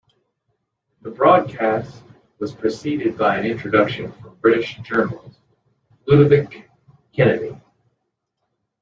The broadcast was preceded by an introduction from British journalist Ludovic Kennedy.